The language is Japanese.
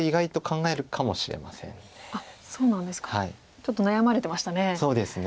ちょっと悩まれてましたね。